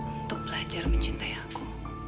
untuk belajar mencintai aku